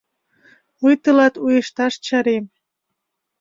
— Мый тылат уэшташ чарем.